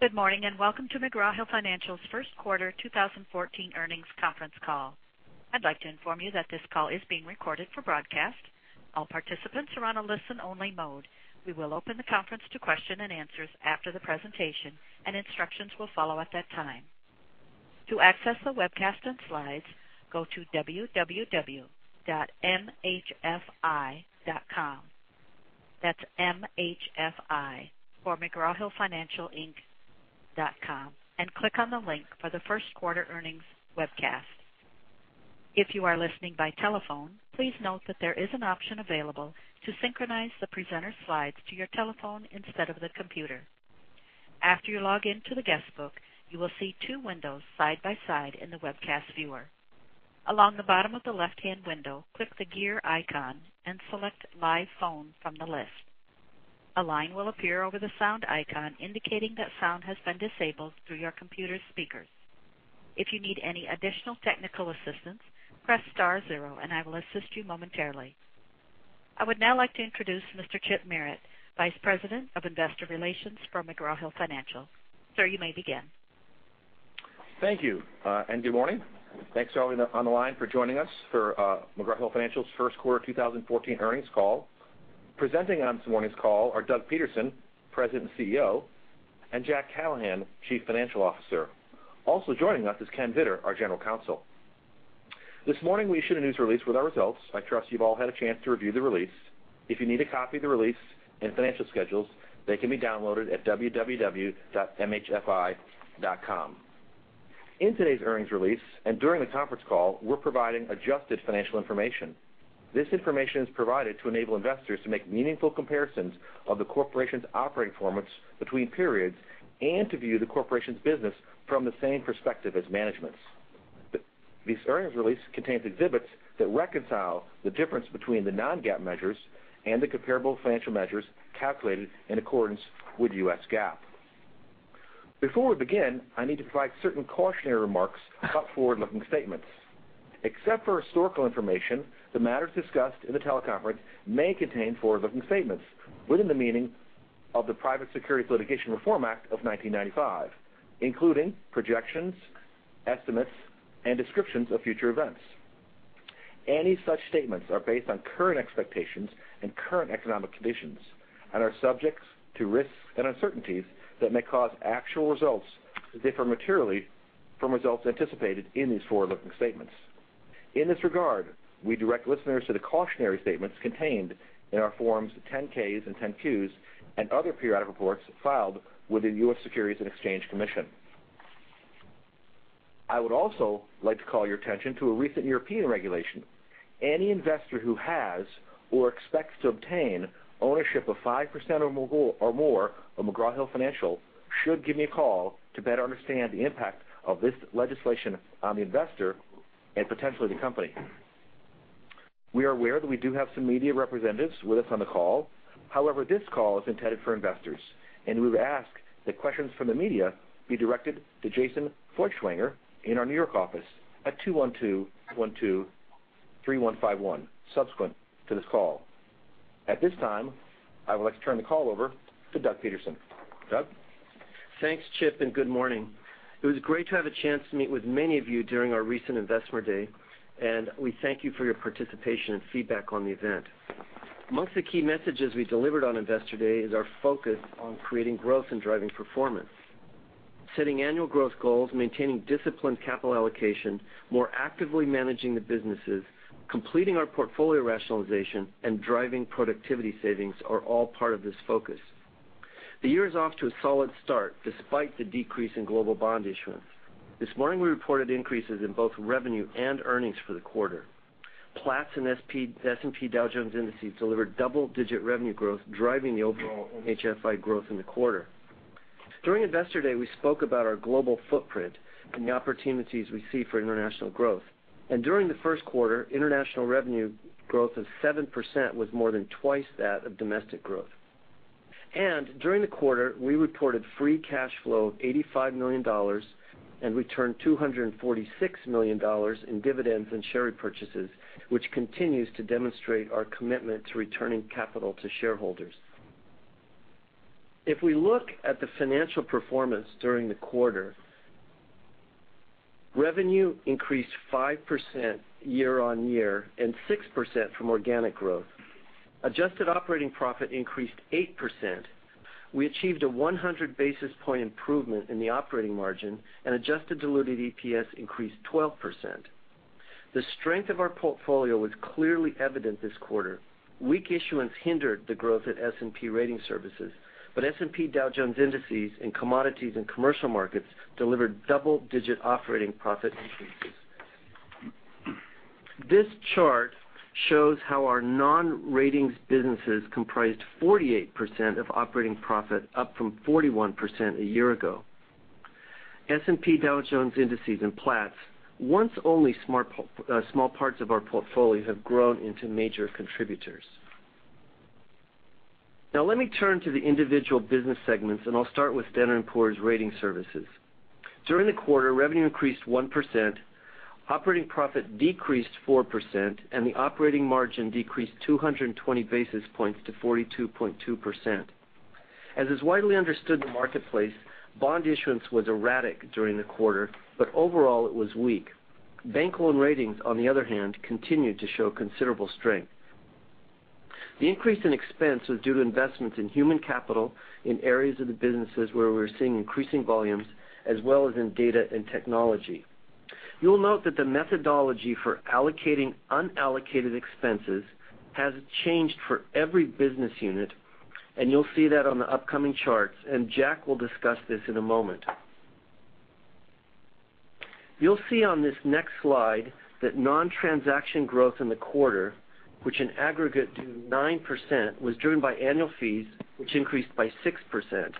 Good morning, and welcome to McGraw Hill Financial's first quarter 2014 earnings conference call. I'd like to inform you that this call is being recorded for broadcast. All participants are on a listen-only mode. We will open the conference to question and answers after the presentation, and instructions will follow at that time. To access the webcast and slides, go to www.mhfi.com. That's M-H-F-I for mcgrawhillfinancialinc.com and click on the link for the first quarter earnings webcast. If you are listening by telephone, please note that there is an option available to synchronize the presenter slides to your telephone instead of the computer. After you log in to the guest book, you will see two windows side by side in the webcast viewer. Along the bottom of the left-hand window, click the gear icon and select Live Phone from the list. A line will appear over the sound icon indicating that sound has been disabled through your computer speakers. If you need any additional technical assistance, press star zero and I will assist you momentarily. I would now like to introduce Mr. Chip Merritt, Vice President of Investor Relations for McGraw Hill Financial. Sir, you may begin. Thank you. Good morning. Thanks to all on the line for joining us for McGraw Hill Financial's first quarter 2014 earnings call. Presenting on this morning's call are Doug Peterson, President and CEO, and Jack Callahan, Chief Financial Officer. Also joining us is Ken Vittor, our General Counsel. This morning, we issued a news release with our results. I trust you've all had a chance to review the release. If you need a copy of the release and financial schedules, they can be downloaded at www.mhfi.com. In today's earnings release and during the conference call, we're providing adjusted financial information. This information is provided to enable investors to make meaningful comparisons of the corporation's operating performance between periods and to view the corporation's business from the same perspective as management's. This earnings release contains exhibits that reconcile the difference between the non-GAAP measures and the comparable financial measures calculated in accordance with US GAAP. Before we begin, I need to provide certain cautionary remarks about forward-looking statements. Except for historical information, the matters discussed in the teleconference may contain forward-looking statements within the meaning of the Private Securities Litigation Reform Act of 1995, including projections, estimates, and descriptions of future events. Any such statements are based on current expectations and current economic conditions and are subject to risks and uncertainties that may cause actual results to differ materially from results anticipated in these forward-looking statements. In this regard, we direct listeners to the cautionary statements contained in our Forms 10-Ks and 10-Qs and other periodic reports filed with the U.S. Securities and Exchange Commission. I would also like to call your attention to a recent European regulation. Any investor who has or expects to obtain ownership of 5% or more of McGraw Hill Financial should give me a call to better understand the impact of this legislation on the investor and potentially the company. We are aware that we do have some media representatives with us on the call. However, this call is intended for investors, and we would ask that questions from the media be directed to Jason Feuchtwanger in our New York office at 212-123-151 subsequent to this call. At this time, I would like to turn the call over to Doug Peterson. Doug? Thanks, Chip, good morning. It was great to have a chance to meet with many of you during our recent Investor Day, and we thank you for your participation and feedback on the event. Amongst the key messages we delivered on Investor Day is our focus on creating growth and driving performance. Setting annual growth goals, maintaining disciplined capital allocation, more actively managing the businesses, completing our portfolio rationalization, and driving productivity savings are all part of this focus. The year is off to a solid start despite the decrease in global bond issuance. This morning, we reported increases in both revenue and earnings for the quarter. Platts and S&P Dow Jones Indices delivered double-digit revenue growth, driving the overall MHFI growth in the quarter. During Investor Day, we spoke about our global footprint and the opportunities we see for international growth. During the first quarter, international revenue growth of 7% was more than twice that of domestic growth. During the quarter, we reported free cash flow of $85 million and returned $246 million in dividends and share repurchases, which continues to demonstrate our commitment to returning capital to shareholders. If we look at the financial performance during the quarter, revenue increased 5% year-on-year and 6% from organic growth. Adjusted operating profit increased 8%. We achieved a 100-basis point improvement in the operating margin, and adjusted diluted EPS increased 12%. The strength of our portfolio was clearly evident this quarter. Weak issuance hindered the growth at S&P Rating Services, but S&P Dow Jones Indices and Commodities and Commercial Markets delivered double-digit operating profit increases. This chart shows how our non-ratings businesses comprised 48% of operating profit, up from 41% a year ago. S&P Dow Jones Indices and Platts, once only small parts of our portfolio, have grown into major contributors. Now let me turn to the individual business segments, and I'll start with Standard & Poor's Ratings Services. During the quarter, revenue increased 1%, operating profit decreased 4%, and the operating margin decreased 220 basis points to 42.2%. As is widely understood in the marketplace, bond issuance was erratic during the quarter, but overall it was weak. Bank loan ratings, on the other hand, continued to show considerable strength. The increase in expense was due to investments in human capital in areas of the businesses where we're seeing increasing volumes, as well as in data and technology. You'll note that the methodology for allocating unallocated expenses hasn't changed for every business unit, and you'll see that on the upcoming charts, and Jack will discuss this in a moment. You'll see on this next slide that non-transaction growth in the quarter, which in aggregate to 9%, was driven by annual fees, which increased by 6%.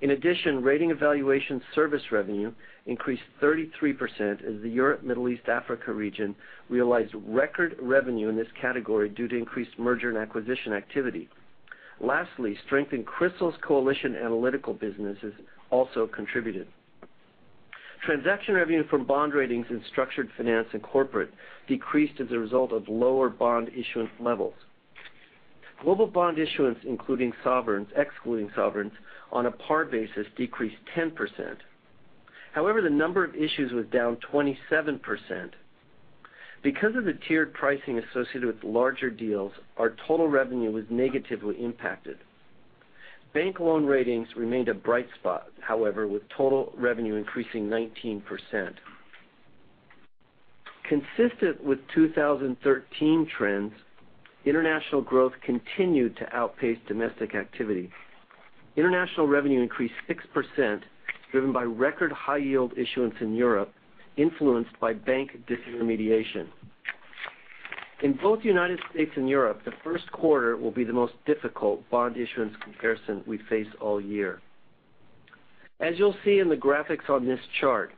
In addition, rating evaluation service revenue increased 33% as the Europe, Middle East, Africa region realized record revenue in this category due to increased merger and acquisition activity. Lastly, strength in CRISIL's coalition analytical businesses also contributed. Transaction revenue from bond ratings in structured finance and corporate decreased as a result of lower bond issuance levels. Global bond issuance, including sovereigns, excluding sovereigns, on a par basis, decreased 10%. However, the number of issues was down 27%. Because of the tiered pricing associated with larger deals, our total revenue was negatively impacted. Bank loan ratings remained a bright spot, however, with total revenue increasing 19%. Consistent with 2013 trends, international growth continued to outpace domestic activity. International revenue increased 6%, driven by record high yield issuance in Europe, influenced by bank disintermediation. In both the U.S. and Europe, the first quarter will be the most difficult bond issuance comparison we face all year. As you'll see in the graphics on this chart,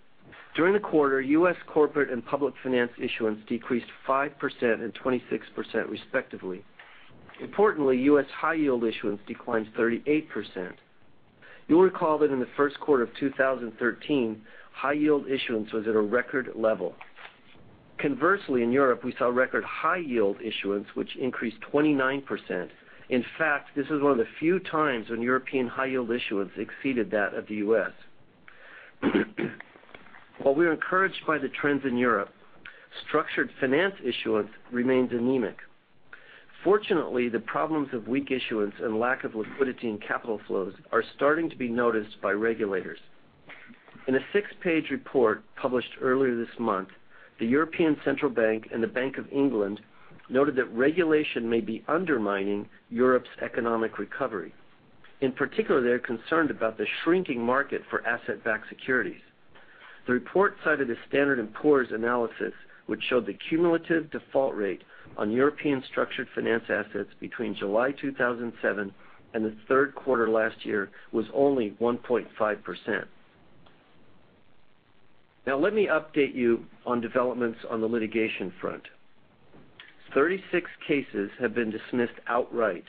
during the quarter, U.S. corporate and public finance issuance decreased 5% and 26%, respectively. Importantly, U.S. high yield issuance declined 38%. You'll recall that in the first quarter of 2013, high yield issuance was at a record level. Conversely, in Europe, we saw record high yield issuance, which increased 29%. In fact, this is one of the few times when European high yield issuance exceeded that of the U.S. While we are encouraged by the trends in Europe, structured finance issuance remains anemic. Fortunately, the problems of weak issuance and lack of liquidity and capital flows are starting to be noticed by regulators. In a six-page report published earlier this month, the European Central Bank and the Bank of England noted that regulation may be undermining Europe's economic recovery. In particular, they're concerned about the shrinking market for asset-backed securities. The report cited a Standard & Poor's analysis, which showed the cumulative default rate on European structured finance assets between July 2007 and the third quarter last year was only 1.5%. Now, let me update you on developments on the litigation front. 36 cases have been dismissed outright.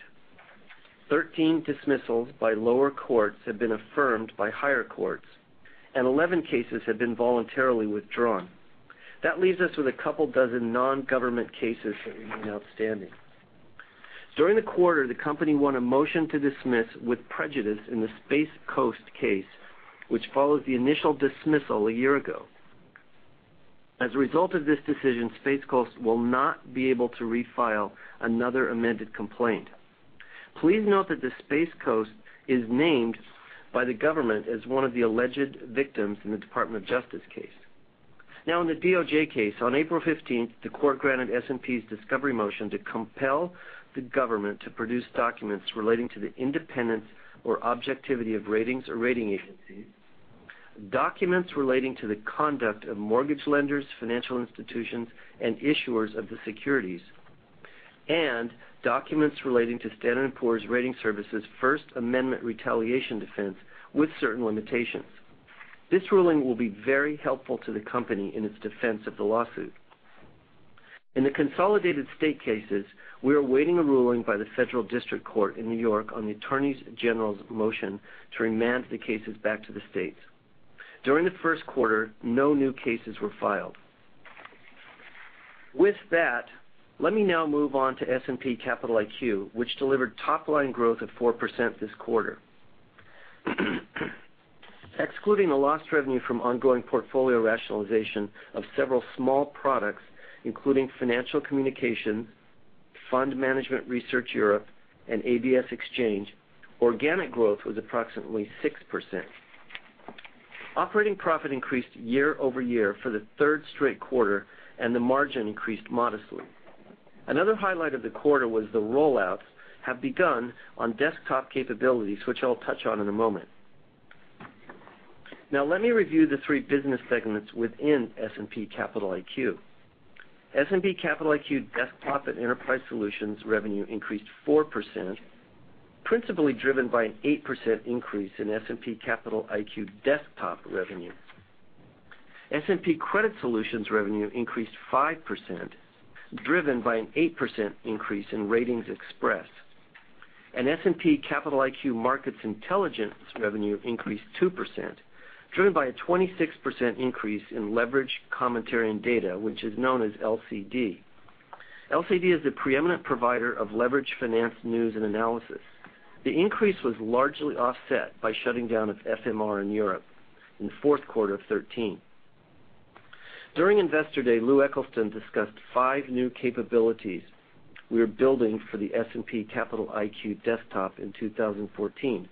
13 dismissals by lower courts have been affirmed by higher courts, and 11 cases have been voluntarily withdrawn. That leaves us with a couple dozen non-government cases that remain outstanding. During the quarter, the company won a motion to dismiss with prejudice in the Space Coast case, which follows the initial dismissal a year ago. As a result of this decision, Space Coast will not be able to refile another amended complaint. Please note that the Space Coast is named by the government as one of the alleged victims in the Department of Justice case. In the DOJ case, on April 15th, the court granted S&P's discovery motion to compel the government to produce documents relating to the independence or objectivity of ratings or rating agencies, documents relating to the conduct of mortgage lenders, financial institutions, and issuers of the securities, and documents relating to Standard & Poor's Rating Services' First Amendment retaliation defense with certain limitations. This ruling will be very helpful to the company in its defense of the lawsuit. In the consolidated state cases, we are awaiting a ruling by the Federal District Court in New York on the Attorneys General's motion to remand the cases back to the states. During the first quarter, no new cases were filed. With that, let me now move on to S&P Capital IQ, which delivered top-line growth of 4% this quarter. Excluding the lost revenue from ongoing portfolio rationalization of several small products, including Financial Communications, Fund Management Research Europe, and ABS Exchange, organic growth was approximately 6%. Operating profit increased year-over-year for the third straight quarter, and the margin increased modestly. Another highlight of the quarter was the rollouts have begun on desktop capabilities, which I'll touch on in a moment. Let me review the three business segments within S&P Capital IQ. S&P Capital IQ Desktop & Enterprise Solutions revenue increased 4%, principally driven by an 8% increase in S&P Capital IQ Desktop revenue. S&P Credit Solutions revenue increased 5%, driven by an 8% increase in RatingsXpress. S&P Capital IQ Markets Intelligence revenue increased 2%, driven by a 26% increase in Leveraged Commentary & Data, which is known as LCD. LCD is the preeminent provider of leveraged finance news and analysis. The increase was largely offset by shutting down its FMR in Europe in the fourth quarter of 2013. During Investor Day, Lou Eccleston discussed five new capabilities we are building for the S&P Capital IQ desktop in 2014.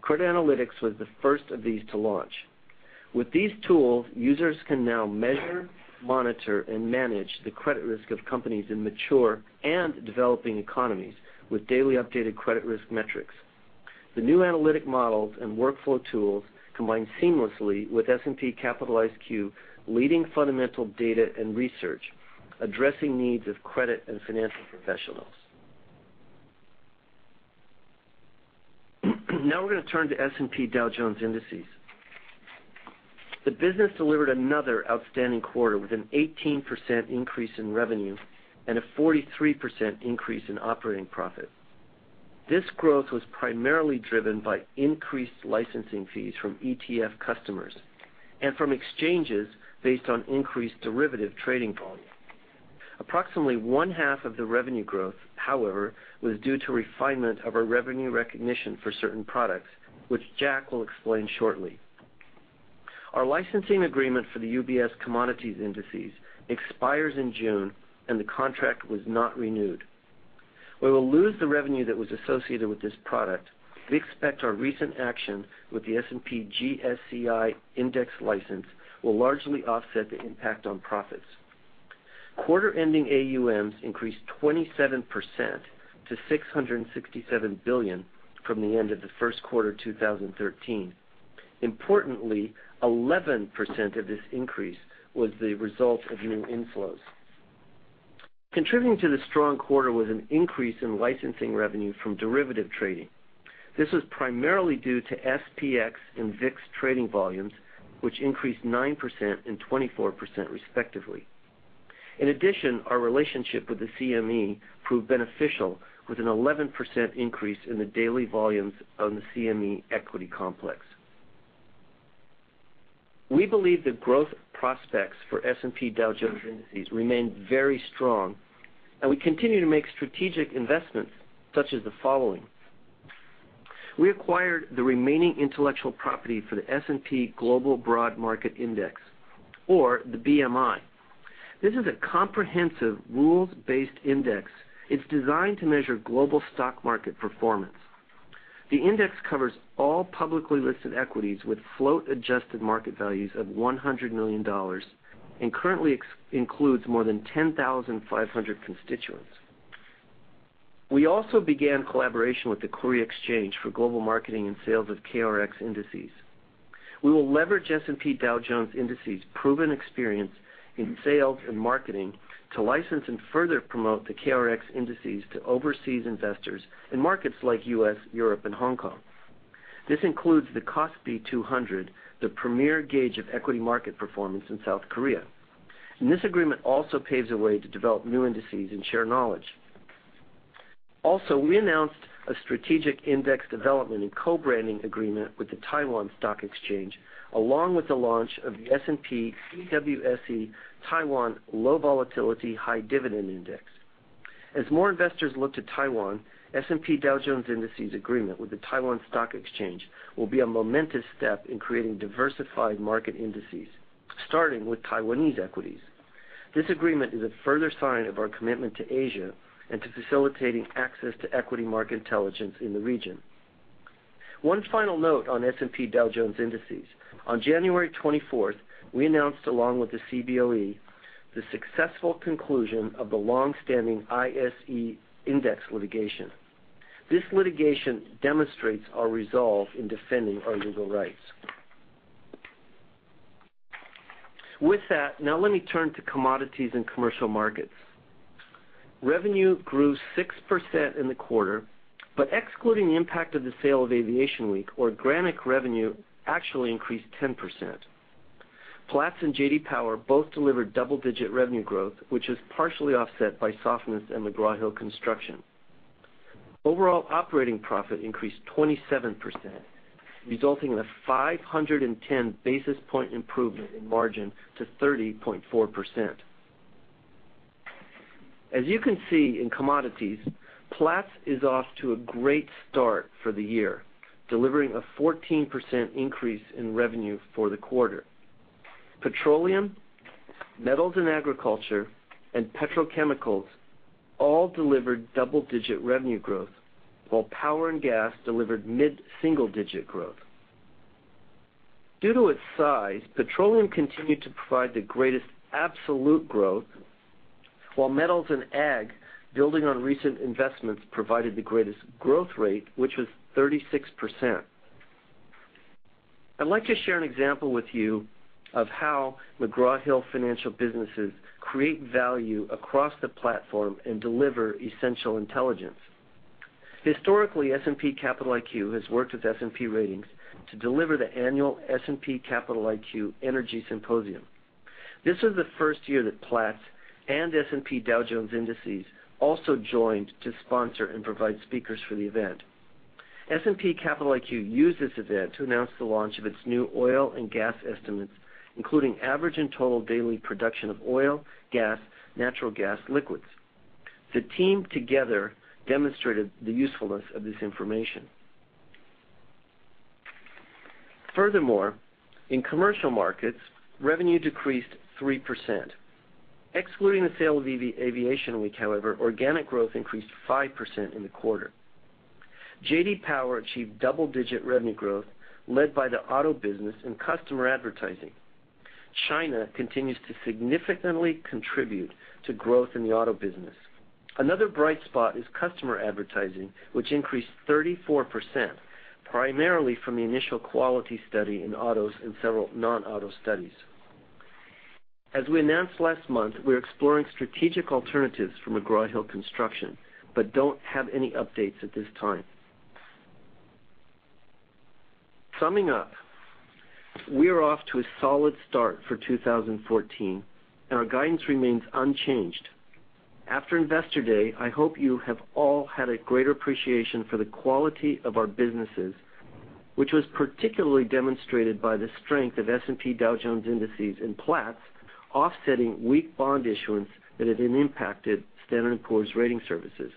Credit analytics was the first of these to launch. With these tools, users can now measure, monitor, and manage the credit risk of companies in mature and developing economies with daily updated credit risk metrics. The new analytic models and workflow tools combine seamlessly with S&P Capital IQ, leading fundamental data and research, addressing needs of credit and financial professionals. We're going to turn to S&P Dow Jones Indices. The business delivered another outstanding quarter with an 18% increase in revenue and a 43% increase in operating profit. This growth was primarily driven by increased licensing fees from ETF customers and from exchanges based on increased derivative trading volume. Approximately one-half of the revenue growth, however, was due to refinement of our revenue recognition for certain products, which Jack will explain shortly. Our licensing agreement for the UBS Commodities Indices expires in June, and the contract was not renewed. We will lose the revenue that was associated with this product. We expect our recent action with the S&P GSCI index license will largely offset the impact on profits. Quarter-ending AUMs increased 27% to $667 billion from the end of the first quarter 2013. Importantly, 11% of this increase was the result of new inflows. Contributing to the strong quarter was an increase in licensing revenue from derivative trading. This was primarily due to SPX and VIX trading volumes, which increased 9% and 24%, respectively. In addition, our relationship with the CME proved beneficial, with an 11% increase in the daily volumes on the CME equity complex. We believe the growth prospects for S&P Dow Jones Indices remain very strong, and we continue to make strategic investments such as the following. We acquired the remaining intellectual property for the S&P Global Broad Market Index, or the BMI. This is a comprehensive, rules-based index. It's designed to measure global stock market performance. The index covers all publicly listed equities with float-adjusted market values of $100 million and currently includes more than 10,500 constituents. We also began collaboration with the Korea Exchange for global marketing and sales of KRX indices. We will leverage S&P Dow Jones Indices' proven experience in sales and marketing to license and further promote the KRX indices to overseas investors in markets like U.S., Europe, and Hong Kong. This includes the KOSPI 200, the premier gauge of equity market performance in South Korea. This agreement also paves the way to develop new indices and share knowledge. We announced a strategic index development and co-branding agreement with the Taiwan Stock Exchange, along with the launch of the S&P/TWSE Taiwan Low Volatility High Dividend Index. As more investors look to Taiwan, S&P Dow Jones Indices' agreement with the Taiwan Stock Exchange will be a momentous step in creating diversified market indices, starting with Taiwanese equities. This agreement is a further sign of our commitment to Asia and to facilitating access to equity market intelligence in the region. One final note on S&P Dow Jones Indices. On January 24th, we announced, along with the CBOE, the successful conclusion of the longstanding ISE index litigation. This litigation demonstrates our resolve in defending our legal rights. With that, now let me turn to Commodities and Commercial Markets. Revenue grew 6% in the quarter, but excluding the impact of the sale of Aviation Week or Organic revenue actually increased 10%. Platts and J.D. Power both delivered double-digit revenue growth, which is partially offset by softness in McGraw Hill Construction. Overall operating profit increased 27%, resulting in a 510 basis point improvement in margin to 30.4%. As you can see in commodities, Platts is off to a great start for the year, delivering a 14% increase in revenue for the quarter. Petroleum, metals and agriculture, and petrochemicals all delivered double-digit revenue growth, while power and gas delivered mid-single-digit growth. Due to its size, petroleum continued to provide the greatest absolute growth, while metals and ag, building on recent investments, provided the greatest growth rate, which was 36%. I'd like to share an example with you of how McGraw Hill Financial businesses create value across the platform and deliver essential intelligence. Historically, S&P Capital IQ has worked with S&P Ratings to deliver the annual S&P Capital IQ Energy Symposium. This is the first year that Platts and S&P Dow Jones Indices also joined to sponsor and provide speakers for the event. S&P Capital IQ used this event to announce the launch of its new oil and gas estimates, including average and total daily production of oil, gas, natural gas, liquids. The team together demonstrated the usefulness of this information. Furthermore, in commercial markets, revenue decreased 3%. Excluding the sale of Aviation Week, however, organic growth increased 5% in the quarter. J.D. Power achieved double-digit revenue growth led by the auto business and customer advertising. China continues to significantly contribute to growth in the auto business. Another bright spot is customer advertising, which increased 34%, primarily from the Initial Quality Study in autos and several non-auto studies. As we announced last month, we're exploring strategic alternatives for McGraw Hill Construction, but don't have any updates at this time. Summing up, we are off to a solid start for 2014, and our guidance remains unchanged. After Investor Day, I hope you have all had a greater appreciation for the quality of our businesses, which was particularly demonstrated by the strength of S&P Dow Jones Indices and Platts offsetting weak bond issuance that had impacted Standard & Poor's Rating Services.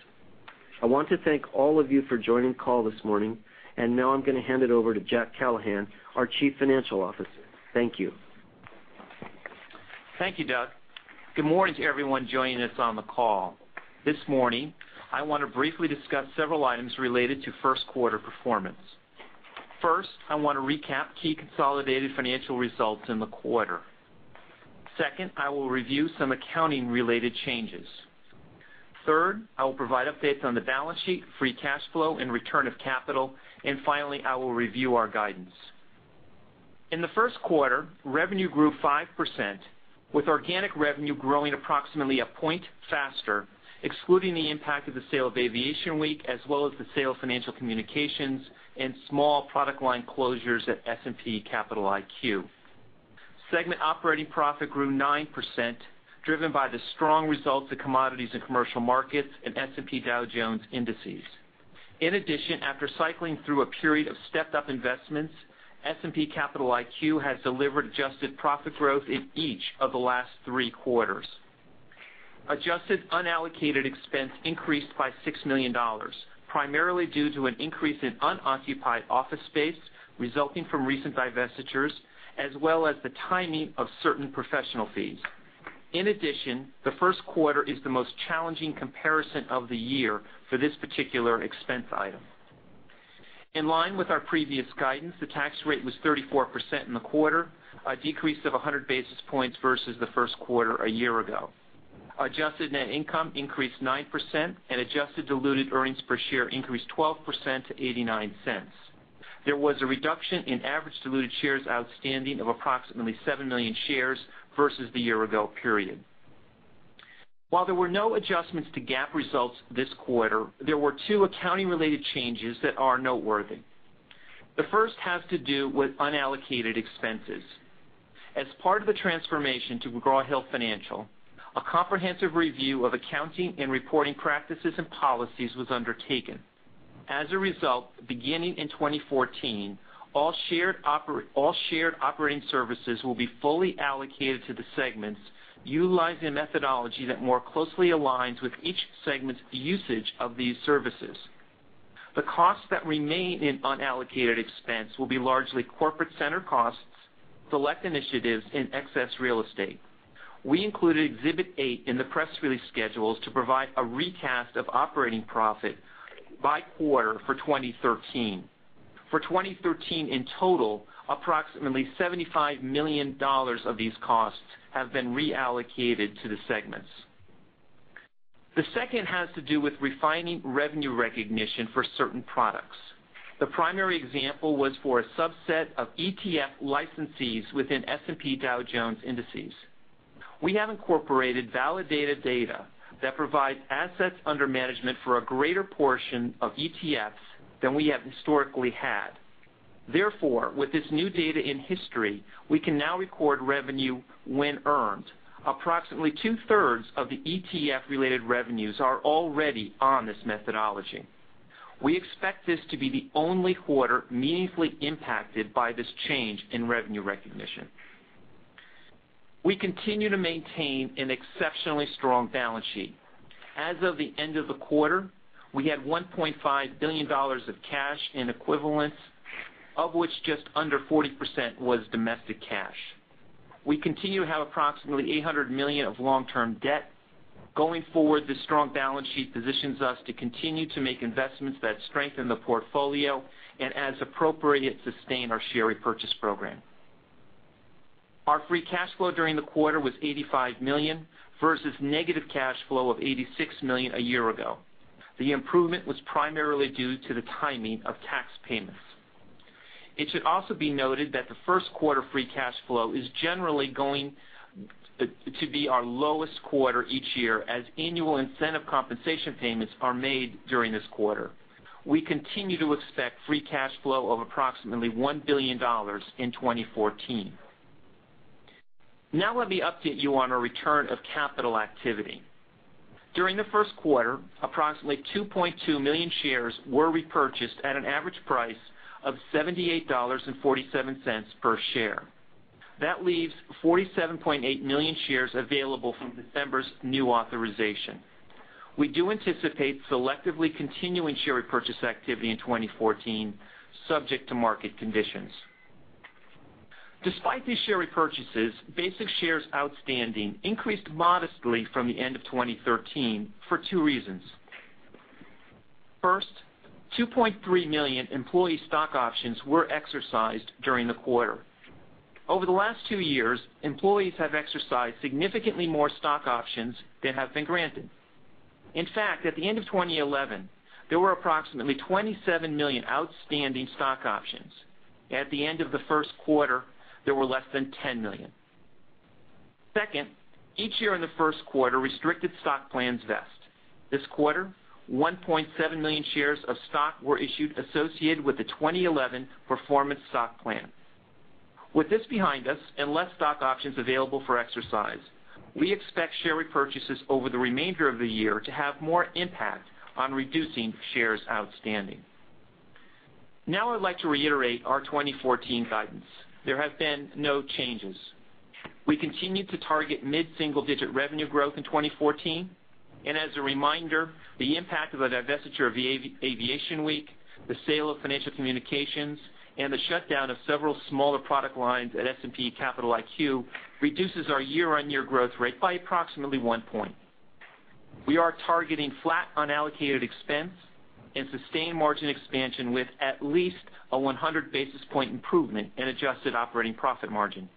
I want to thank all of you for joining call this morning. Now I'm going to hand it over to Jack Callahan, our Chief Financial Officer. Thank you. Thank you, Doug. Good morning to everyone joining us on the call. This morning, I want to briefly discuss several items related to first quarter performance. First, I want to recap key consolidated financial results in the quarter. Second, I will review some accounting-related changes. Third, I will provide updates on the balance sheet, free cash flow and return of capital. Finally, I will review our guidance. In the first quarter, revenue grew 5%, with organic revenue growing approximately a point faster, excluding the impact of the sale of Aviation Week, as well as the sale of Financial Communications and small product line closures at S&P Capital IQ. Segment operating profit grew 9%, driven by the strong results of commodities in commercial markets and S&P Dow Jones Indices. After cycling through a period of stepped-up investments, S&P Capital IQ has delivered adjusted profit growth in each of the last three quarters. Adjusted unallocated expense increased by $6 million, primarily due to an increase in unoccupied office space resulting from recent divestitures, as well as the timing of certain professional fees. The first quarter is the most challenging comparison of the year for this particular expense item. In line with our previous guidance, the tax rate was 34% in the quarter, a decrease of 100 basis points versus the first quarter a year ago. Adjusted net income increased 9%, and adjusted diluted earnings per share increased 12% to $0.89. There was a reduction in average diluted shares outstanding of approximately seven million shares versus the year-ago period. While there were no adjustments to GAAP results this quarter, there were two accounting-related changes that are noteworthy. The first has to do with unallocated expenses. As part of the transformation to McGraw Hill Financial, a comprehensive review of accounting and reporting practices and policies was undertaken. As a result, beginning in 2014, all shared operating services will be fully allocated to the segments, utilizing a methodology that more closely aligns with each segment's usage of these services. The costs that remain in unallocated expense will be largely corporate center costs, select initiatives, and excess real estate. We included Exhibit eight in the press release schedules to provide a recast of operating profit by quarter for 2013. For 2013 in total, approximately $75 million of these costs have been reallocated to the segments. The second has to do with refining revenue recognition for certain products. The primary example was for a subset of ETF licensees within S&P Dow Jones Indices. We have incorporated validated data that provide assets under management for a greater portion of ETFs than we have historically had. With this new data in history, we can now record revenue when earned. Approximately two-thirds of the ETF-related revenues are already on this methodology. We expect this to be the only quarter meaningfully impacted by this change in revenue recognition. We continue to maintain an exceptionally strong balance sheet. As of the end of the quarter, we had $1.5 billion of cash in equivalents, of which just under 40% was domestic cash. We continue to have approximately $800 million of long-term debt. Going forward, this strong balance sheet positions us to continue to make investments that strengthen the portfolio and, as appropriate, sustain our share repurchase program. Our free cash flow during the quarter was $85 million versus negative cash flow of $86 million a year ago. The improvement was primarily due to the timing of tax payments. It should also be noted that the first quarter free cash flow is generally going to be our lowest quarter each year, as annual incentive compensation payments are made during this quarter. We continue to expect free cash flow of approximately $1 billion in 2014. Let me update you on our return of capital activity. During the first quarter, approximately 2.2 million shares were repurchased at an average price of $78.47 per share. That leaves 47.8 million shares available from December's new authorization. We do anticipate selectively continuing share repurchase activity in 2014, subject to market conditions. Despite these share repurchases, basic shares outstanding increased modestly from the end of 2013 for two reasons. First, 2.3 million employee stock options were exercised during the quarter. Over the last two years, employees have exercised significantly more stock options than have been granted. In fact, at the end of 2011, there were approximately 27 million outstanding stock options. At the end of the first quarter, there were less than 10 million. Second, each year in the first quarter, restricted stock plans vest. This quarter, 1.7 million shares of stock were issued associated with the 2011 performance stock plan. With this behind us and less stock options available for exercise, we expect share repurchases over the remainder of the year to have more impact on reducing shares outstanding. I'd like to reiterate our 2014 guidance. There have been no changes. We continue to target mid-single-digit revenue growth in 2014. As a reminder, the impact of the divestiture of Aviation Week, the sale of Financial Communications, and the shutdown of several smaller product lines at S&P Capital IQ reduces our year-on-year growth rate by approximately one point. We are targeting flat unallocated expense and sustained margin expansion with at least a 100 basis point improvement in adjusted operating profit margin.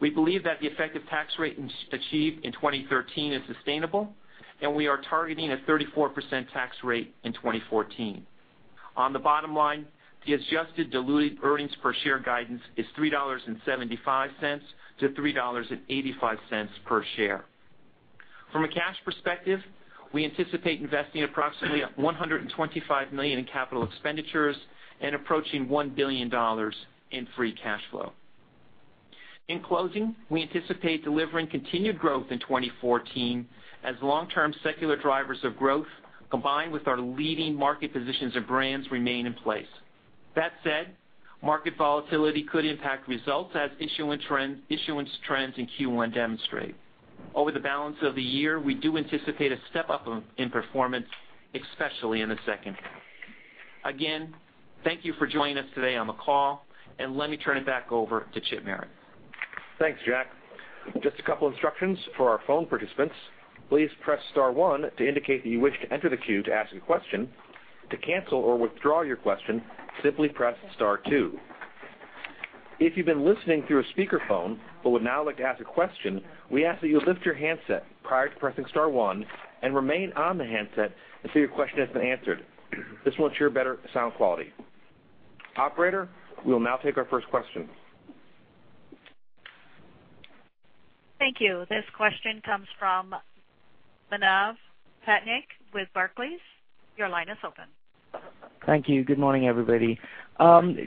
We believe that the effective tax rate achieved in 2013 is sustainable, and we are targeting a 34% tax rate in 2014. On the bottom line, the adjusted diluted earnings per share guidance is $3.75-$3.85 per share. From a cash perspective, we anticipate investing approximately $125 million in capital expenditures and approaching $1 billion in free cash flow. In closing, we anticipate delivering continued growth in 2014 as long-term secular drivers of growth, combined with our leading market positions and brands remain in place. That said, market volatility could impact results as issuance trends in Q1 demonstrate. Over the balance of the year, we do anticipate a step-up in performance, especially in the second half. Again, thank you for joining us today on the call, and let me turn it back over to Chip Merritt. Thanks, Jack. Just a couple instructions for our phone participants. Please press *1 to indicate that you wish to enter the queue to ask a question. To cancel or withdraw your question, simply press *2. If you've been listening through a speakerphone but would now like to ask a question, we ask that you lift your handset prior to pressing *1 and remain on the handset until your question has been answered. This will ensure better sound quality. Operator, we'll now take our first question. Thank you. This question comes from Manav Patnaik with Barclays. Your line is open. Thank you. Good morning, everybody.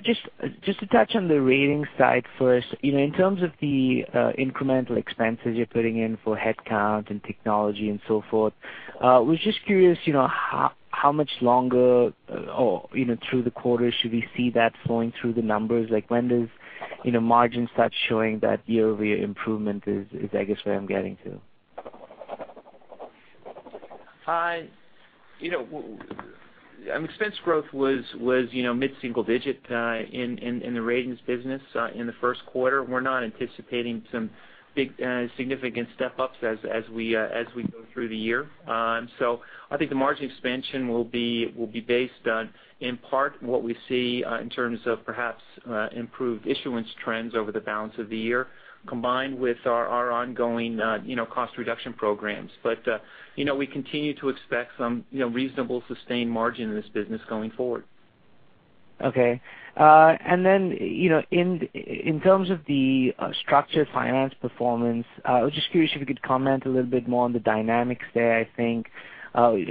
Just to touch on the Ratings side first, in terms of the incremental expenses you're putting in for headcount and technology and so forth, I was just curious, how much longer or through the quarter should we see that flowing through the numbers? When does margin start showing that year-over-year improvement is, I guess, where I'm getting to? Hi. Expense growth was mid-single-digit in the Ratings business in the first quarter. We're not anticipating some big significant step-ups as we go through the year. I think the margin expansion will be based on, in part, what we see in terms of perhaps improved issuance trends over the balance of the year, combined with our ongoing cost reduction programs. We continue to expect some reasonable sustained margin in this business going forward. Okay. In terms of the structured finance performance, I was just curious if you could comment a little bit more on the dynamics there, I think. Was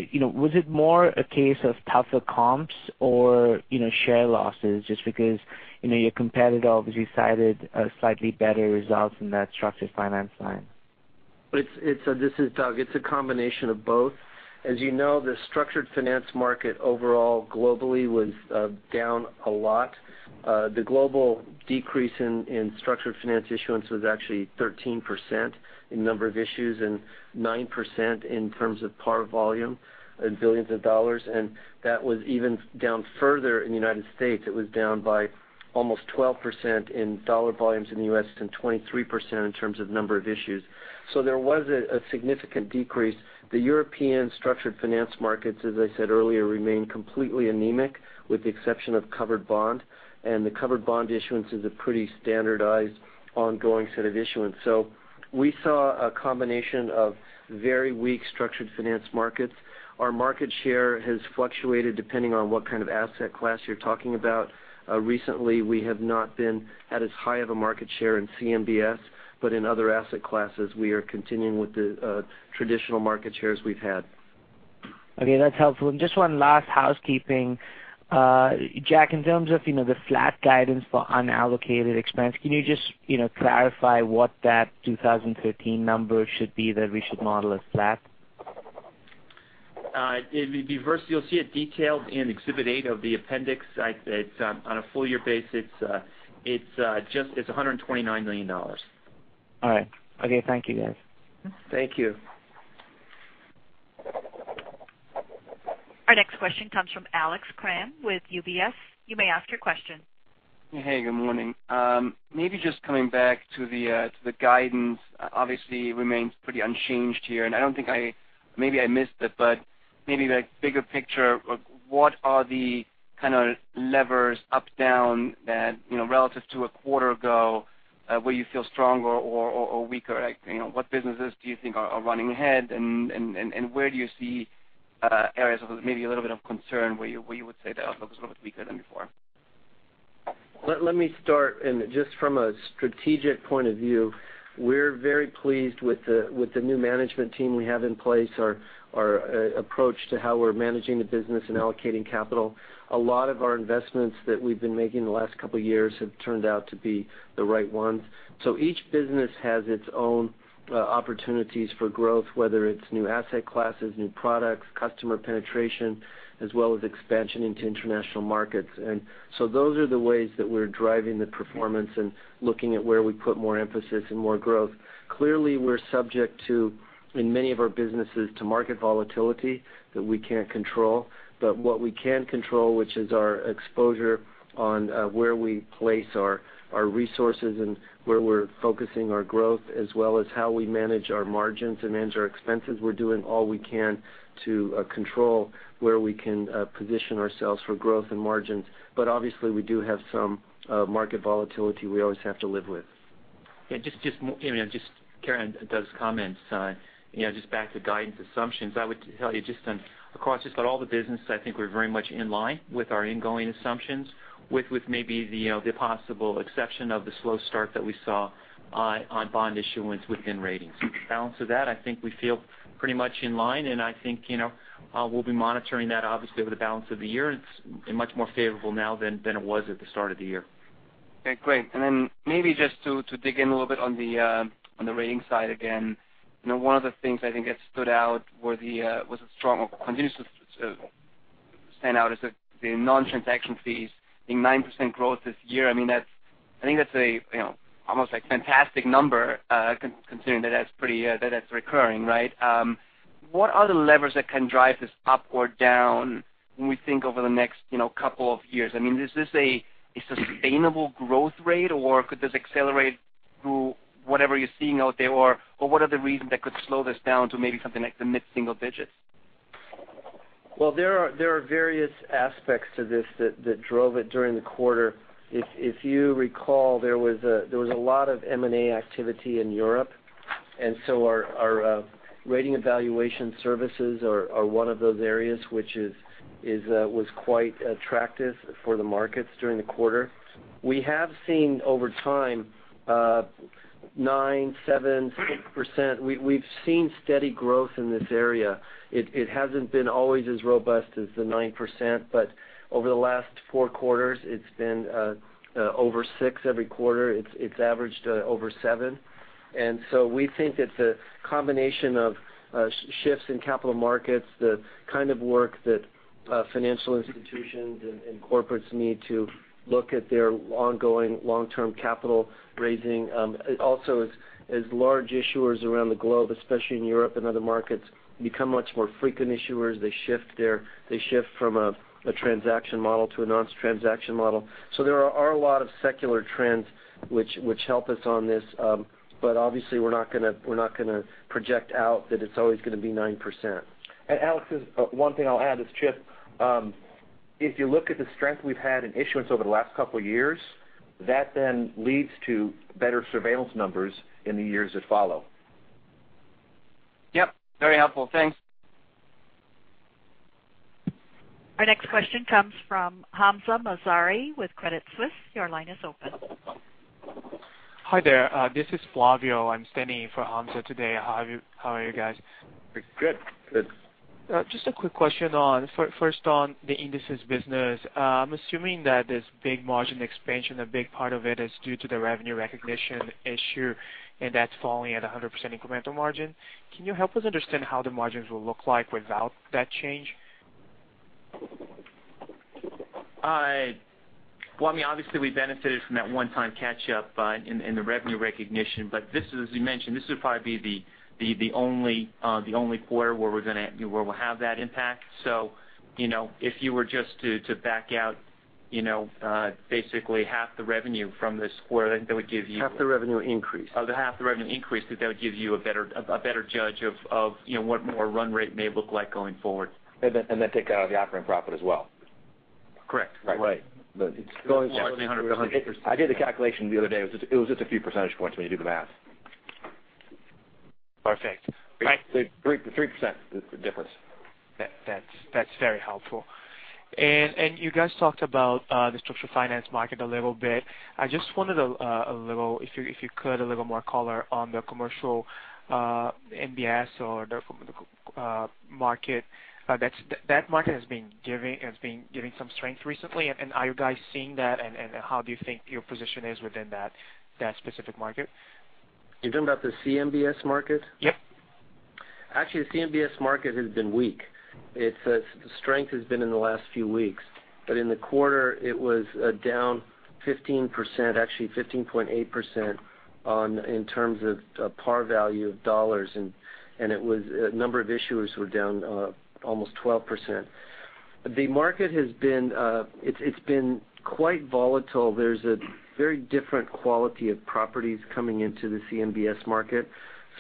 it more a case of tougher comps or share losses, just because your competitor obviously cited slightly better results in that structured finance line? This is Doug. It's a combination of both. As you know, the structured finance market overall globally was down a lot. The global decrease in structured finance issuance was actually 13% in number of issues and 9% in terms of par volume in $ billions. That was even down further in the U.S. It was down by almost 12% in $ volumes in the U.S. and 23% in terms of number of issues. There was a significant decrease. The European structured finance markets, as I said earlier, remain completely anemic, with the exception of covered bond, and the covered bond issuance is a pretty standardized, ongoing set of issuance. We saw a combination of very weak structured finance markets. Our market share has fluctuated depending on what kind of asset class you're talking about. Recently, we have not been at as high of a market share in CMBS, but in other asset classes, we are continuing with the traditional market shares we've had. Okay, that's helpful. Just one last housekeeping. Jack, in terms of the flat guidance for unallocated expense, can you just clarify what that 2013 number should be that we should model as flat? First, you'll see it detailed in Exhibit eight of the appendix. On a full year basis, it's $129 million. All right. Okay. Thank you, guys. Thank you. Our next question comes from Alex Kramm with UBS. You may ask your question. Hey, good morning. Maybe just coming back to the guidance, obviously remains pretty unchanged here. I don't think I maybe I missed it, maybe the bigger picture of what are the kind of levers up, down that, relative to a quarter ago, where you feel stronger or weaker? What businesses do you think are running ahead, and where do you see areas of maybe a little bit of concern where you would say the outlook is a little bit weaker than before? Let me start. Just from a strategic point of view, we're very pleased with the new management team we have in place, our approach to how we're managing the business and allocating capital. A lot of our investments that we've been making the last couple of years have turned out to be the right ones. Each business has its own opportunities for growth, whether it's new asset classes, new products, customer penetration, as well as expansion into international markets. Those are the ways that we're driving the performance and looking at where we put more emphasis and more growth. Clearly, we're subject to, in many of our businesses, to market volatility that we can't control. What we can control, which is our exposure on where we place our resources and where we're focusing our growth, as well as how we manage our margins and manage our expenses. We're doing all we can to control where we can position ourselves for growth and margins. Obviously, we do have some market volatility we always have to live with. Just carrying on Doug's comments, just back to guidance assumptions. I would tell you just on across just about all the business, I think we're very much in line with our ingoing assumptions. With maybe the possible exception of the slow start that we saw on bond issuance within ratings. Balance of that, I think we feel pretty much in line, and I think we'll be monitoring that obviously over the balance of the year. It's much more favorable now than it was at the start of the year. Okay, great. Then maybe just to dig in a little bit on the ratings side again. One of the things I think that stood out was a strong or continuous stand out is the non-transaction fees seeing 9% growth this year. I think that's almost a fantastic number considering that that's recurring, right? What are the levers that can drive this up or down when we think over the next couple of years? Is this a sustainable growth rate, or could this accelerate through whatever you're seeing out there? What are the reasons that could slow this down to maybe something like the mid-single digits? There are various aspects to this that drove it during the quarter. If you recall, there was a lot of M&A activity in Europe, our rating evaluation services are one of those areas which was quite attractive for the markets during the quarter. We have seen over time 9%, 7%, 6%. We've seen steady growth in this area. It hasn't been always as robust as the 9%, but over the last four quarters, it's been over 6%. Every quarter it's averaged over 7%. We think it's a combination of shifts in capital markets, the kind of work that financial institutions and corporates need to look at their ongoing long-term capital raising. As large issuers around the globe, especially in Europe and other markets, become much more frequent issuers. They shift from a transaction model to a non-transaction model. There are a lot of secular trends which help us on this. Obviously we're not going to project out that it's always going to be 9%. Alex, one thing I'll add is, Chip, if you look at the strength we've had in issuance over the last couple of years, that then leads to better surveillance numbers in the years that follow. Yep. Very helpful. Thanks. Our next question comes from Hamzah Mazari with Credit Suisse. Your line is open. Hi there. This is Flavio. I'm standing in for Hamzah today. How are you guys? Good. Good. Just a quick question on, first on the indices business. I'm assuming that this big margin expansion, a big part of it is due to the revenue recognition issue, and that's falling at 100% incremental margin. Can you help us understand how the margins will look like without that change? Well, obviously we benefited from that one-time catch up in the revenue recognition. This is, as you mentioned, this will probably be the only quarter where we'll have that impact. If you were just to back out basically half the revenue from this quarter, that would give you- Half the revenue increase. The half the revenue increase, that would give you a better judge of what more run rate may look like going forward. take out the operating profit as well. Correct. Right. 100%. I did the calculation the other day. It was just a few percentage points when you do the math. Perfect. Right. 3% is the difference. That's very helpful. You guys talked about the structured finance market a little bit. I just wanted, if you could, a little more color on the CMBS or the market. That market has been giving some strength recently. Are you guys seeing that, and how do you think your position is within that specific market? You're talking about the CMBS market? Yes. The CMBS market has been weak. Its strength has been in the last few weeks. In the quarter, it was down 15%, actually 15.8%, in terms of par value of $, and the number of issuers were down almost 12%. The market has been quite volatile. There's a very different quality of properties coming into the CMBS market.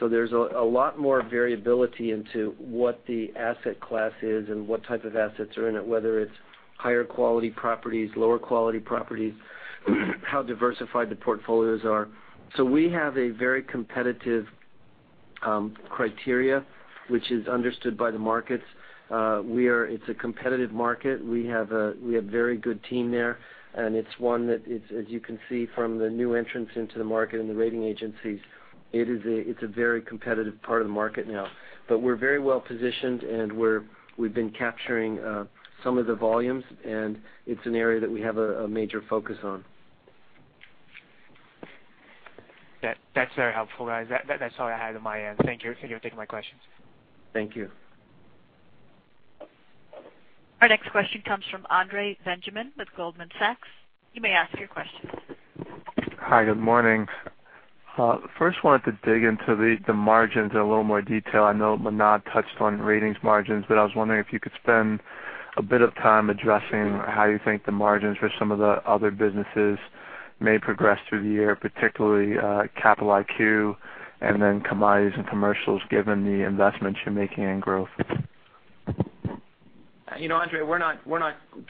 There's a lot more variability into what the asset class is and what type of assets are in it, whether it's higher quality properties, lower quality properties, how diversified the portfolios are. We have a very competitive criteria, which is understood by the markets. It's a competitive market. We have a very good team there, and it's one that is, as you can see from the new entrants into the market and the rating agencies, it's a very competitive part of the market now. We're very well-positioned, and we've been capturing some of the volumes, and it's an area that we have a major focus on. That's very helpful, guys. That's all I had on my end. Thank you for taking my questions. Thank you. Our next question comes from Andre Benjamin with Goldman Sachs. You may ask your question. Hi. Good morning. First wanted to dig into the margins in a little more detail. I know Manav touched on ratings margins, I was wondering if you could spend a bit of time addressing how you think the margins for some of the other businesses may progress through the year, particularly Capital IQ and then Commodities and Commercials, given the investments you're making in growth. Andre, we're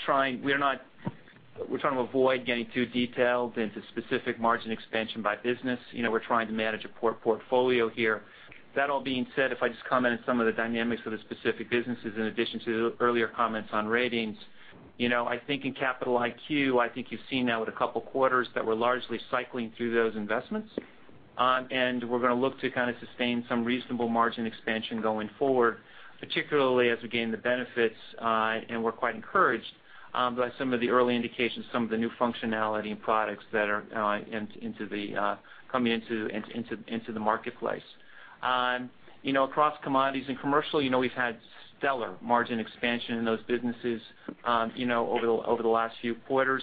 trying to avoid getting too detailed into specific margin expansion by business. We're trying to manage a portfolio here. That all being said, if I just comment on some of the dynamics of the specific businesses in addition to the earlier comments on ratings. I think in Capital IQ, I think you've seen now with a couple of quarters that we're largely cycling through those investments. We're going to look to sustain some reasonable margin expansion going forward, particularly as we gain the benefits. We're quite encouraged by some of the early indications, some of the new functionality and products that are coming into the marketplace. Across Commodities and Commercial, we've had stellar margin expansion in those businesses over the last few quarters.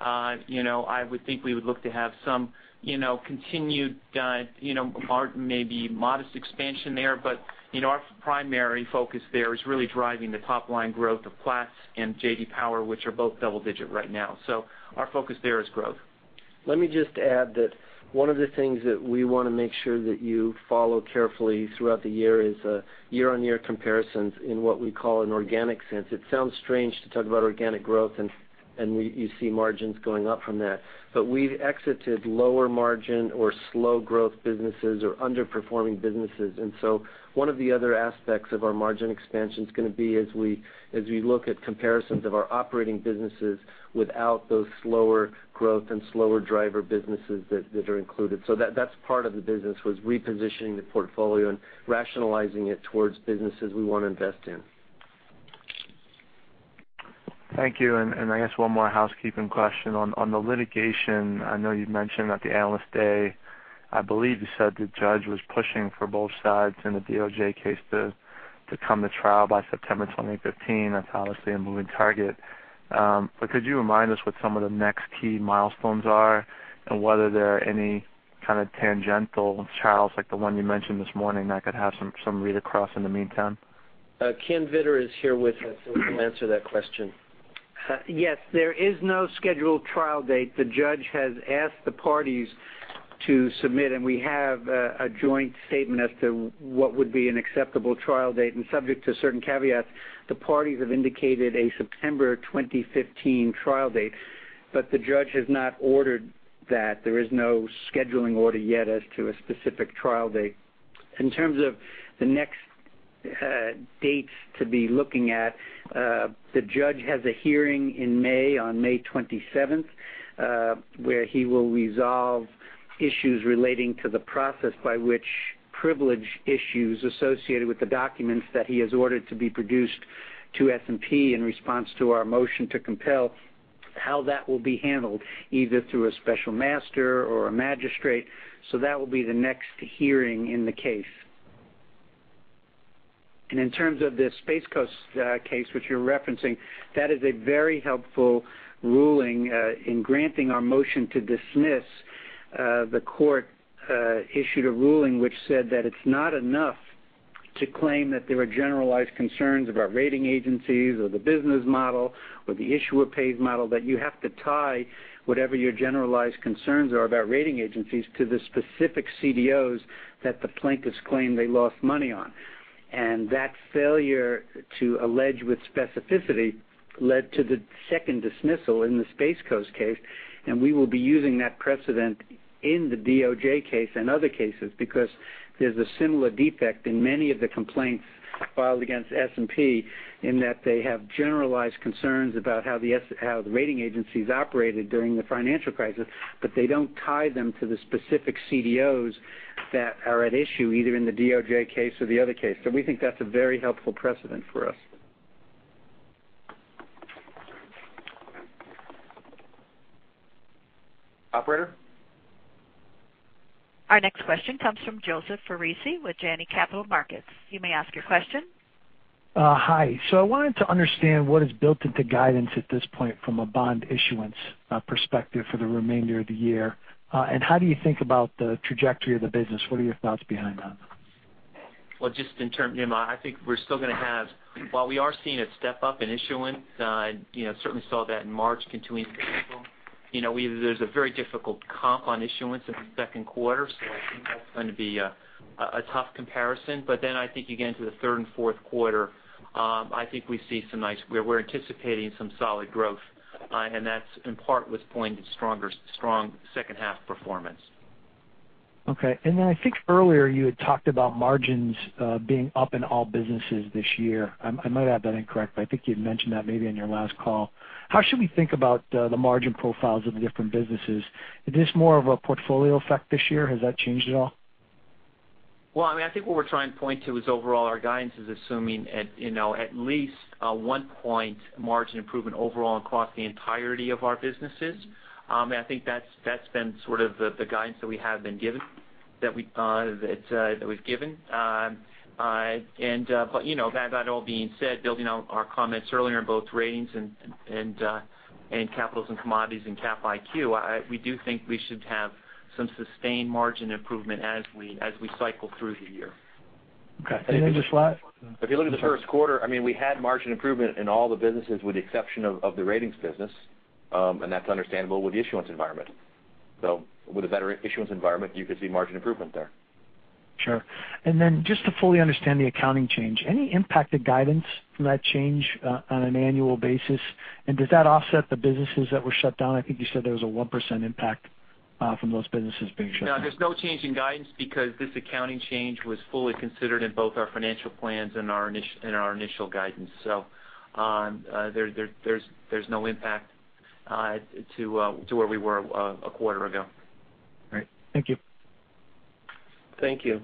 I would think we would look to have some continued, maybe modest expansion there. Our primary focus there is really driving the top-line growth of Platts and J.D. Power, which are both double-digit right now. Our focus there is growth. Let me just add that one of the things that we want to make sure that you follow carefully throughout the year is year-on-year comparisons in what we call an organic sense. It sounds strange to talk about organic growth and you see margins going up from that. We've exited lower margin or slow growth businesses or underperforming businesses. One of the other aspects of our margin expansion is going to be as we look at comparisons of our operating businesses without those slower growth and slower driver businesses that are included. That's part of the business, was repositioning the portfolio and rationalizing it towards businesses we want to invest in. Thank you. I guess one more housekeeping question on the litigation. I know you've mentioned at the Analyst Day, I believe you said the judge was pushing for both sides in the DOJ case to come to trial by September 2015. That's obviously a moving target. Could you remind us what some of the next key milestones are, and whether there are any kind of tangential trials like the one you mentioned this morning that could have some read-across in the meantime? Ken Vittor is here with us, he can answer that question. Yes. There is no scheduled trial date. The judge has asked the parties to submit, we have a joint statement as to what would be an acceptable trial date, subject to certain caveats, the parties have indicated a September 2015 trial date. The judge has not ordered that. There is no scheduling order yet as to a specific trial date. In terms of the next dates to be looking at, the judge has a hearing in May, on May 27th, where he will resolve issues relating to the process by which privilege issues associated with the documents that he has ordered to be produced to S&P in response to our motion to compel, how that will be handled, either through a special master or a magistrate. That will be the next hearing in the case. In terms of the Space Coast case, which you're referencing, that is a very helpful ruling. In granting our motion to dismiss, the court issued a ruling which said that it's not enough to claim that there are generalized concerns about rating agencies or the business model or the issuer-paid model, that you have to tie whatever your generalized concerns are about rating agencies to the specific CDOs that the plaintiffs claim they lost money on. That failure to allege with specificity led to the second dismissal in the Space Coast case, we will be using that precedent in the DOJ case and other cases because there's a similar defect in many of the complaints filed against S&P in that they have generalized concerns about how the rating agencies operated during the financial crisis, but they don't tie them to the specific CDOs that are at issue, either in the DOJ case or the other case. We think that's a very helpful precedent for us. Operator? Our next question comes from Joseph Foresi with Janney Montgomery Scott. You may ask your question. Hi. I wanted to understand what is built into guidance at this point from a bond issuance perspective for the remainder of the year. How do you think about the trajectory of the business? What are your thoughts behind that? Well, I think we're still going to have while we are seeing a step up in issuance, certainly saw that in March continuing into April. There's a very difficult comp on issuance in the second quarter, I think that's going to be a tough comparison. I think you get into the third and fourth quarter, I think we see we're anticipating some solid growth. That's in part with pointing to strong second half performance. Okay. I think earlier you had talked about margins being up in all businesses this year. I might have that incorrect, but I think you'd mentioned that maybe on your last call. How should we think about the margin profiles of the different businesses? Is this more of a portfolio effect this year? Has that changed at all? Well, I think what we're trying to point to is overall our guidance is assuming at least a one-point margin improvement overall across the entirety of our businesses. I think that's been sort of the guidance that we've given. That all being said, building on our comments earlier in both ratings and capitals and commodities and Cap IQ, we do think we should have some sustained margin improvement as we cycle through the year. Okay. If you look at the first quarter, we had margin improvement in all the businesses with the exception of the ratings business. That's understandable with the issuance environment. With a better issuance environment, you could see margin improvement there. Sure. Then just to fully understand the accounting change, any impact to guidance from that change on an annual basis? Does that offset the businesses that were shut down? I think you said there was a 1% impact from those businesses being shut down. No, there's no change in guidance because this accounting change was fully considered in both our financial plans and our initial guidance. There's no impact to where we were a quarter ago. Great. Thank you. Thank you.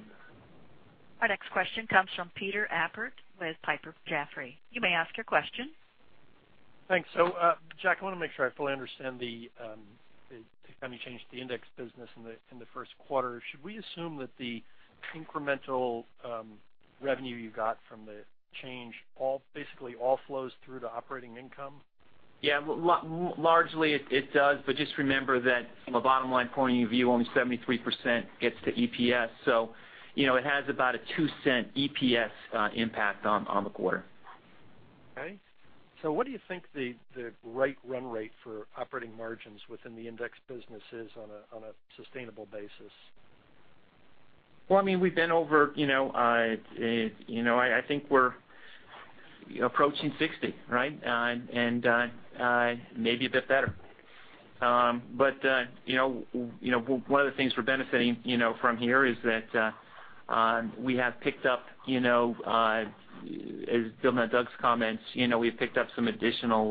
Our next question comes from Peter Appert with Piper Jaffray. You may ask your question. Thanks. Jack, I want to make sure I fully understand the timing change to the index business in the first quarter. Should we assume that the incremental revenue you got from the change basically all flows through to operating income? Yeah, largely it does, just remember that from a bottom-line point of view, only 73% gets to EPS. It has about a $0.02 EPS impact on the quarter. Okay. What do you think the right run rate for operating margins within the index business is on a sustainable basis? I think we're approaching 60, right? Maybe a bit better. One of the things we're benefiting from here is that we have picked up, as Bill and Doug's comments, we've picked up some additional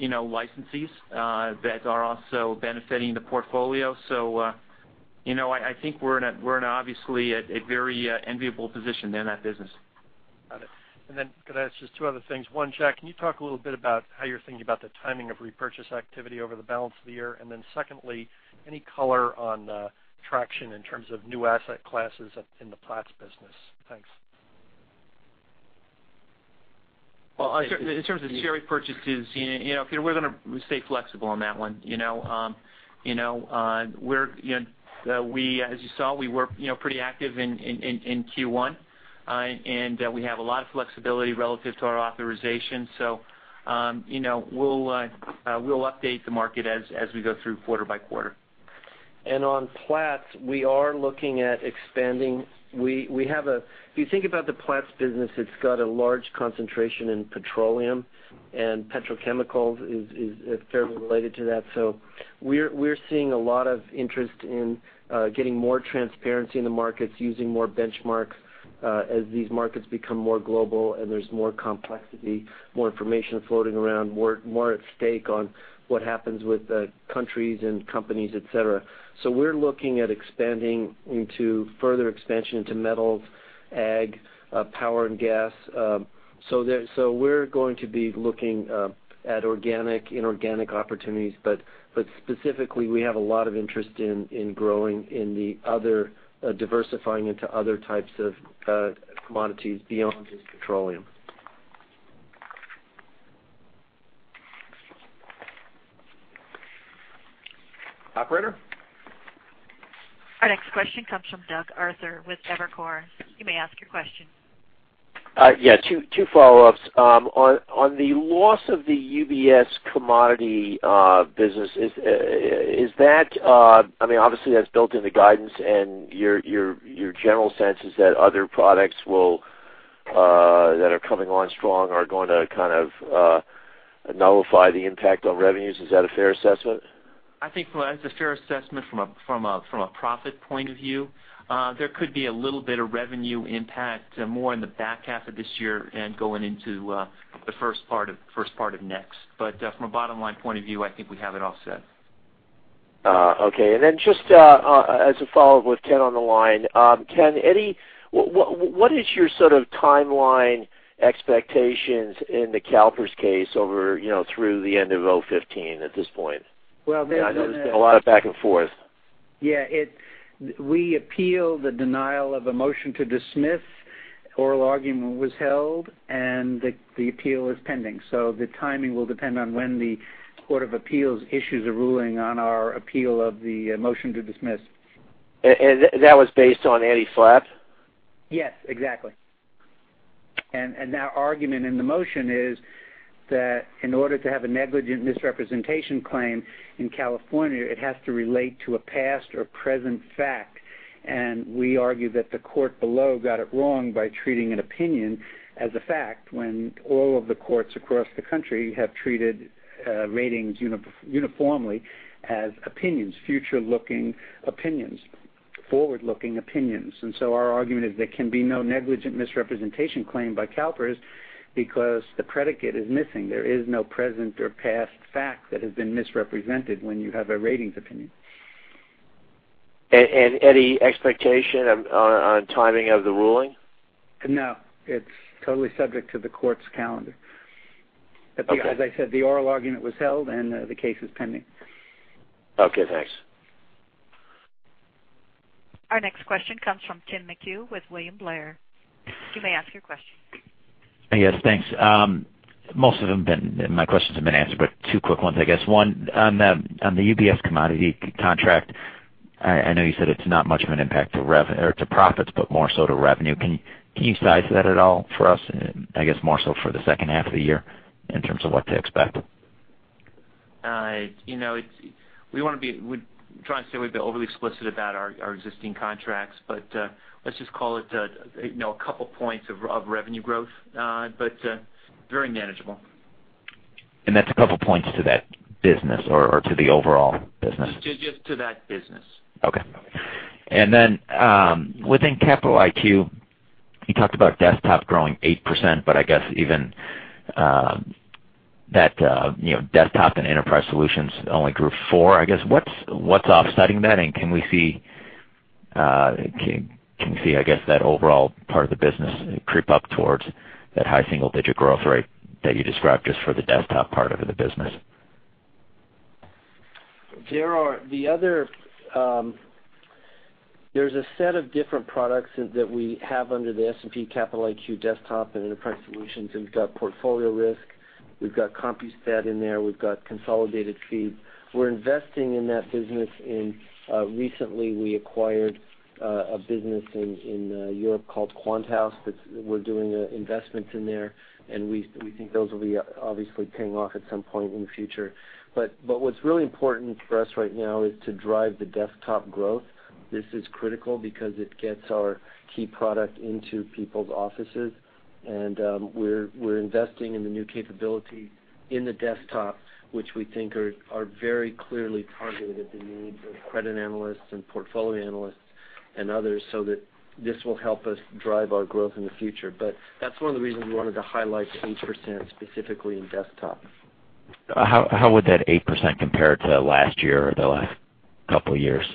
licensees that are also benefiting the portfolio. I think we're in obviously a very enviable position in that business. Got it. Could I ask just two other things? One, Jack, can you talk a little bit about how you're thinking about the timing of repurchase activity over the balance of the year? Secondly, any color on traction in terms of new asset classes in the Platts business? Thanks. In terms of share repurchases, Peter, we're going to stay flexible on that one. As you saw, we were pretty active in Q1, and we have a lot of flexibility relative to our authorization. We'll update the market as we go through quarter by quarter. On Platts, we are looking at expanding. If you think about the Platts business, it's got a large concentration in petroleum, and petrochemicals is fairly related to that. We're seeing a lot of interest in getting more transparency in the markets, using more benchmarks as these markets become more global and there's more complexity, more information floating around, more at stake on what happens with countries and companies, et cetera. We're looking at expanding into further expansion into metals, ag, power and gas. We're going to be looking at organic, inorganic opportunities. Specifically, we have a lot of interest in growing in the other, diversifying into other types of commodities beyond just petroleum. Operator? Our next question comes from Doug Arthur with Evercore. You may ask your question. Yes, two follow-ups. On the loss of the UBS commodity business, obviously that is built in the guidance and your general sense is that other products that are coming on strong are going to nullify the impact on revenues. Is that a fair assessment? I think that is a fair assessment from a profit point of view. There could be a little bit of revenue impact more in the back half of this year and going into the first part of next. From a bottom-line point of view, I think we have it all set. Okay. Then just as a follow-up with Ken on the line. Ken, what is your sort of timeline expectations in the CalPERS case over through the end of 2015 at this point? Well, there's been I know there's been a lot of back and forth. Yeah. We appeal the denial of a motion to dismiss. Oral argument was held, and the appeal is pending. The timing will depend on when the Court of Appeals issues a ruling on our appeal of the motion to dismiss. That was based on any flap? Yes, exactly. Our argument in the motion is that in order to have a negligent misrepresentation claim in California, it has to relate to a past or present fact. We argue that the court below got it wrong by treating an opinion as a fact when all of the courts across the country have treated ratings uniformly as opinions, future-looking opinions, forward-looking opinions. Our argument is there can be no negligent misrepresentation claim by CalPERS because the predicate is missing. There is no present or past fact that has been misrepresented when you have a ratings opinion. Any expectation on timing of the ruling? No, it is totally subject to the court's calendar. Okay. As I said, the oral argument was held and the case is pending. Okay, thanks. Our next question comes from Tim McHugh with William Blair. You may ask your question. Yes, thanks. Most of my questions have been answered, but two quick ones, I guess. One, on the UBS commodity contract, I know you said it's not much of an impact to profits, but more so to revenue. Can you size that at all for us? I guess more so for the second half of the year in terms of what to expect. We try not to be overly explicit about our existing contracts. Let's just call it a couple points of revenue growth, but very manageable. That's a couple points to that business or to the overall business? Just to that business. Okay. Then, within S&P Capital IQ, you talked about Desktop growing 8%, but I guess even that S&P Capital IQ Desktop & Enterprise Solutions only grew 4%, I guess. What's offsetting that? Can we see, I guess, that overall part of the business creep up towards that high single-digit growth rate that you described just for the Desktop part of the business? There's a set of different products that we have under the S&P Capital IQ Desktop & Enterprise Solutions. We've got Portfolio Risk, we've got Compustat in there. We've got Consolidated Feed. We're investing in that business, and recently we acquired a business in Europe called QuantHouse. We're doing investments in there, and we think those will be obviously paying off at some point in the future. What's really important for us right now is to drive the Desktop growth. This is critical because it gets our key product into people's offices. We're investing in the new capability in the Desktop, which we think are very clearly targeted at the needs of credit analysts and portfolio analysts and others, so that this will help us drive our growth in the future. That's one of the reasons we wanted to highlight the 8% specifically in Desktop. How would that 8% compare to last year or the last couple of years?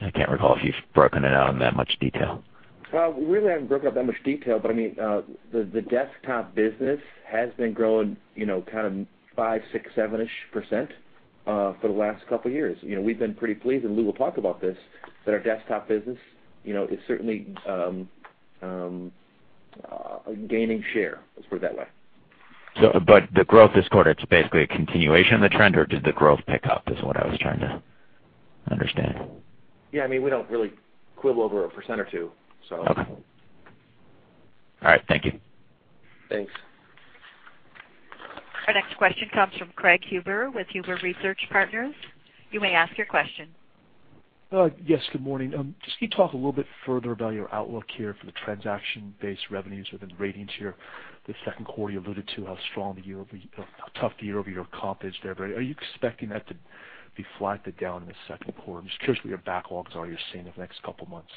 I can't recall if you've broken it out in that much detail. We really haven't broken out that much detail, the Desktop business has been growing five, six, seven-ish % for the last couple of years. We've been pretty pleased, Lou will talk about this, that our Desktop business is certainly gaining share, let's put it that way. The growth this quarter, it's basically a continuation of the trend, did the growth pick up, is what I was trying to understand. Yeah, we don't really quibble over a % or two. Okay. All right, thank you. Thanks. Our next question comes from Craig Huber with Huber Research Partners. You may ask your question. Yes, good morning. Can you talk a little bit further about your outlook here for the transaction-based revenues within Ratings here the second quarter? You alluded to how tough the year-over-year comp is there. Are you expecting that to be flat to down in the second quarter? I'm just curious what your backlogs are you're seeing the next couple of months.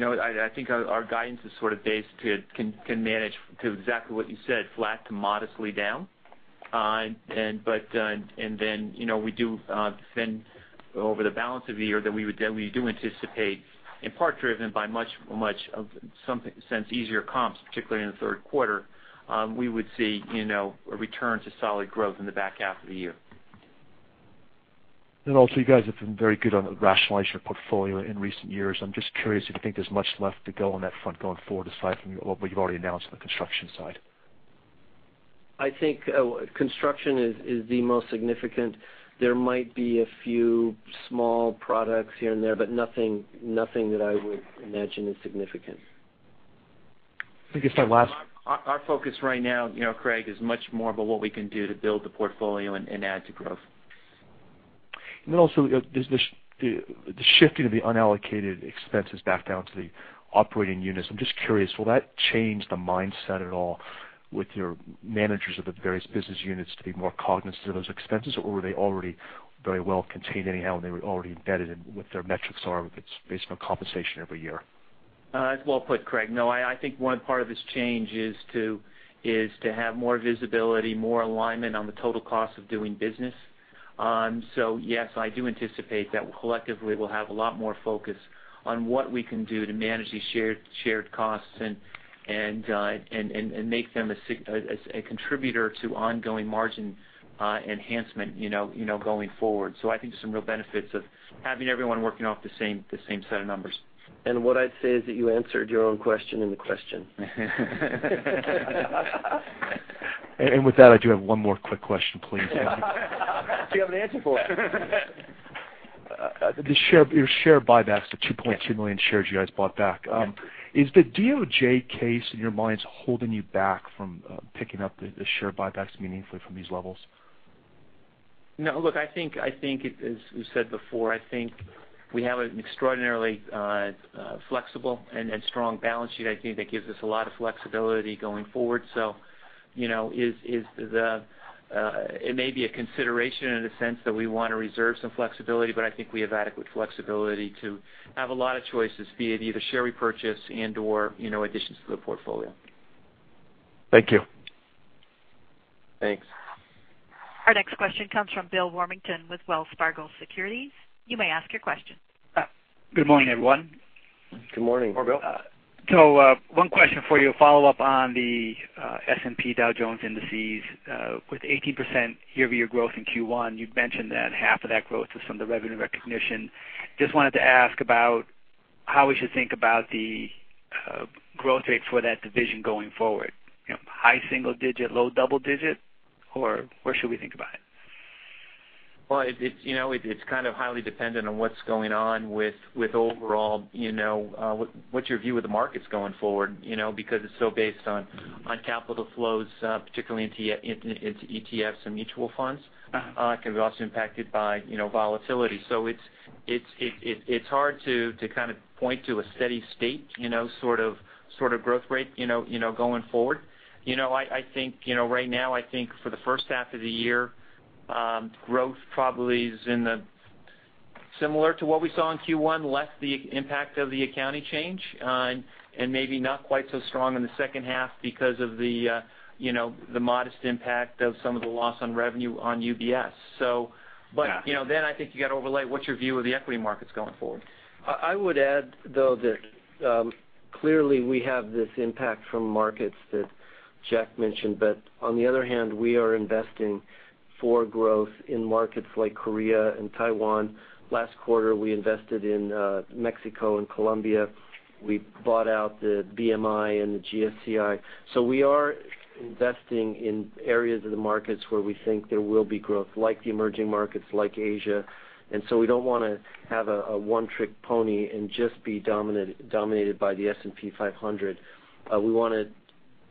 I think our guidance can manage to exactly what you said, flat to modestly down. We do spend over the balance of the year that we do anticipate, in part driven by much of some sense easier comps, particularly in the third quarter. We would see a return to solid growth in the back half of the year. Also, you guys have been very good on rationalizing your portfolio in recent years. I'm just curious if you think there's much left to go on that front going forward, aside from what you've already announced on the Construction side. I think Construction is the most significant. There might be a few small products here and there, but nothing that I would imagine is significant. I guess my last- Our focus right now, Craig, is much more about what we can do to build the portfolio and add to growth. The shifting of the unallocated expenses back down to the operating units. I'm just curious, will that change the mindset at all with your managers of the various business units to be more cognizant of those expenses? Or were they already very well contained anyhow, and they were already embedded in what their metrics are if it's based on compensation every year? That's well put, Craig. I think one part of this change is to have more visibility, more alignment on the total cost of doing business. Yes, I do anticipate that collectively, we'll have a lot more focus on what we can do to manage these shared costs and make them a contributor to ongoing margin enhancement going forward. I think there's some real benefits of having everyone working off the same set of numbers. What I'd say is that you answered your own question in the question. With that, I do have one more quick question, please. See if I have an answer for it. Your share buybacks, the 2.2 million shares you guys bought back. Is the DOJ case, in your minds, holding you back from picking up the share buybacks meaningfully from these levels? No, look, as we said before, I think we have an extraordinarily flexible and strong balance sheet. I think that gives us a lot of flexibility going forward. It may be a consideration in the sense that we want to reserve some flexibility, but I think we have adequate flexibility to have a lot of choices, be it either share repurchase and/or additions to the portfolio. Thank you. Thanks. Our next question comes from Bill Warmington with Wells Fargo Securities. You may ask your question. Good morning, everyone. Good morning. Good morning, Bill. One question for you, a follow-up on the S&P Dow Jones Indices. With 18% year-over-year growth in Q1, you'd mentioned that half of that growth is from the revenue recognition. Just wanted to ask about how we should think about the growth rate for that division going forward. High single digit, low double digit, or where should we think about it? Well, it's kind of highly dependent on what's going on with overall, what's your view of the markets going forward, because it's so based on capital flows, particularly into ETFs and mutual funds. It can be also impacted by volatility. It's hard to point to a steady state sort of growth rate going forward. Right now, I think for the first half of the year, growth probably is similar to what we saw in Q1, less the impact of the accounting change, and maybe not quite so strong in the second half because of the modest impact of some of the loss on revenue on UBS. I think you got to overlay what's your view of the equity markets going forward. I would add, though, that clearly we have this impact from markets that Jack mentioned. On the other hand, we are investing for growth in markets like Korea and Taiwan. Last quarter, we invested in Mexico and Colombia. We bought out the BMI and the GSCI. We are investing in areas of the markets where we think there will be growth, like the emerging markets, like Asia. We don't want to have a one-trick pony and just be dominated by the S&P 500. We want to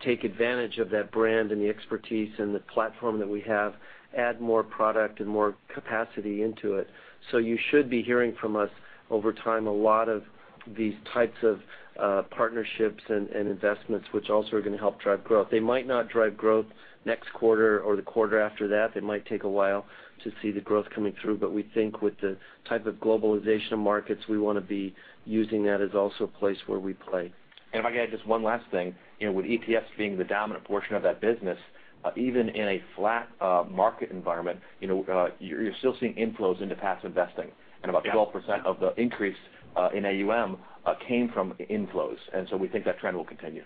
take advantage of that brand and the expertise and the platform that we have, add more product and more capacity into it. You should be hearing from us over time, a lot of these types of partnerships and investments, which also are going to help drive growth. They might not drive growth next quarter or the quarter after that. It might take a while to see the growth coming through. We think with the type of globalization of markets, we want to be using that as also a place where we play. If I can add just one last thing. With ETFs being the dominant portion of that business, even in a flat market environment, you're still seeing inflows into passive investing. About 12% of the increase in AUM came from inflows. We think that trend will continue.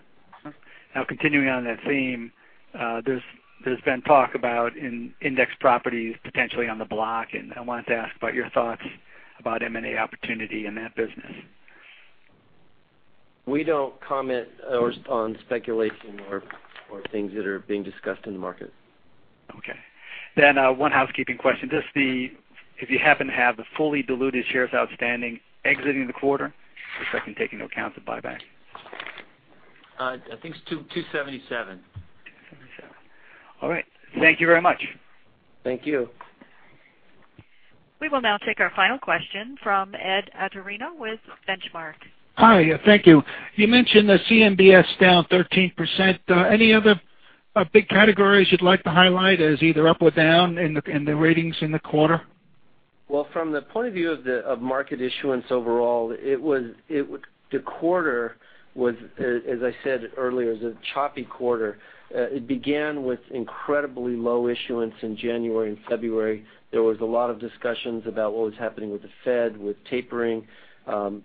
Continuing on that theme, there's been talk about index properties potentially on the block, and I wanted to ask about your thoughts about M&A opportunity in that business. We don't comment on speculation or things that are being discussed in the market. Okay. One housekeeping question. If you happen to have the fully diluted shares outstanding exiting the quarter, just so I can take into account the buyback. I think it's 277. 277. All right. Thank you very much. Thank you. We will now take our final question from Ed Atorino with Benchmark. Hi. Thank you. You mentioned the CMBS down 13%. Any other big categories you'd like to highlight as either up or down in the ratings in the quarter? Well, from the point of view of market issuance overall, the quarter was, as I said earlier, is a choppy quarter. It began with incredibly low issuance in January and February. There was a lot of discussions about what was happening with the Fed, with tapering,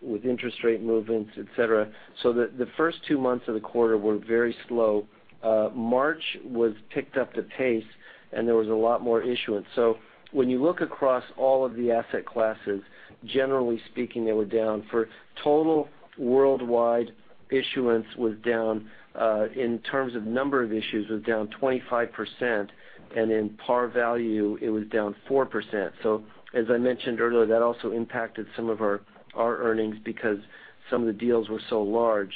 with interest rate movements, et cetera. The first two months of the quarter were very slow. March picked up the pace, and there was a lot more issuance. When you look across all of the asset classes, generally speaking, they were down. For total worldwide issuance was down in terms of number of issues, was down 25%, and in par value, it was down 4%. As I mentioned earlier, that also impacted some of our earnings because some of the deals were so large.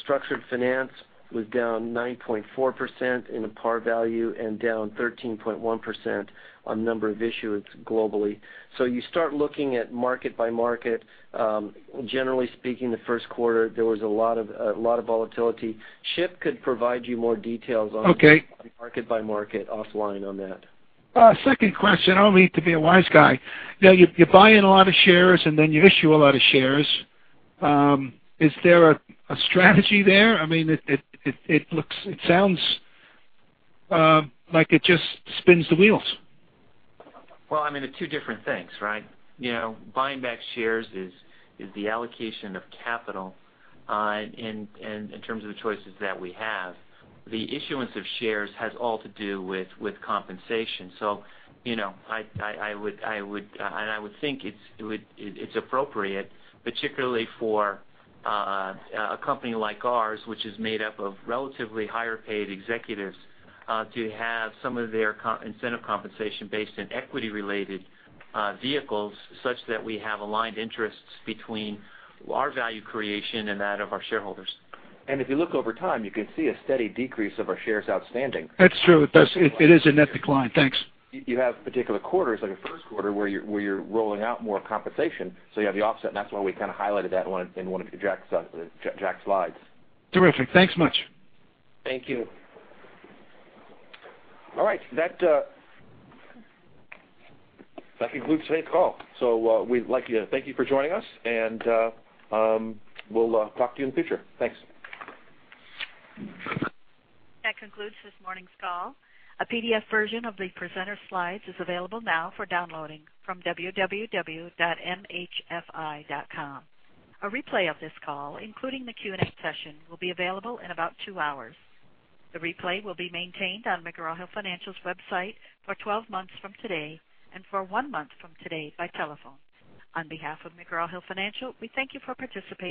Structured finance was down 9.4% in the par value and down 13.1% on number of issuance globally. You start looking at market by market. Generally speaking, the first quarter, there was a lot of volatility. Chip could provide you more details on- Okay market by market offline on that. Second question. I don't mean to be a wise guy. You're buying a lot of shares, and then you issue a lot of shares. Is there a strategy there? It sounds like it just spins the wheels. Well, they're two different things, right? Buying back shares is the allocation of capital in terms of the choices that we have. The issuance of shares has all to do with compensation. I would think it's appropriate, particularly for a company like ours, which is made up of relatively higher-paid executives, to have some of their incentive compensation based in equity-related vehicles, such that we have aligned interests between our value creation and that of our shareholders. If you look over time, you can see a steady decrease of our shares outstanding. That's true. It is a net decline. Thanks. You have particular quarters like a first quarter where you're rolling out more compensation, so you have the offset, and that's why we kind of highlighted that in one of Jack's slides. Terrific. Thanks much. Thank you. All right. That concludes today's call. We'd like to thank you for joining us, and we'll talk to you in the future. Thanks. That concludes this morning's call. A PDF version of the presenter slides is available now for downloading from www.mhfi.com. A replay of this call, including the Q&A session, will be available in about two hours. The replay will be maintained on McGraw Hill Financial's website for 12 months from today and for one month from today by telephone. On behalf of McGraw Hill Financial, we thank you for participating